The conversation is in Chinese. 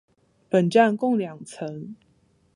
本站共两层。